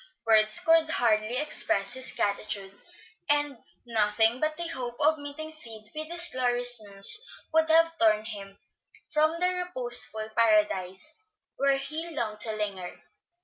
Words could hardly express his gratitude, and nothing but the hope of meeting Sid with this glorious news would have torn him from the reposeful Paradise where he longed to linger.